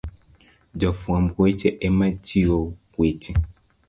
Jofwamb weche ema chiwo weche